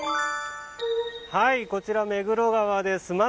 こちら、目黒川です。